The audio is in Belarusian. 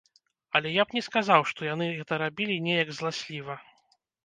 Але я б не сказаў, што яны гэта рабілі неяк зласліва.